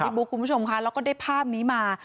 บุ๊คคุณผู้ชมค่ะแล้วก็ได้ภาพนี้มา